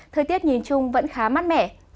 thời tiết nhìn chung vẫn khá mát mẻ